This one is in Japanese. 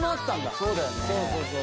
そうそうそう。